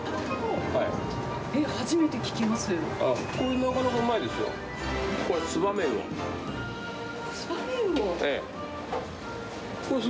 初めて聞きます。